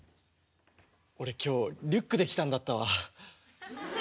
俺今日リュックで来たんだったわ。